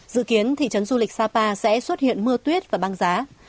dự kiến thị trấn du lịch sapa sẽ xuất hiện mưa tuyết và băng giá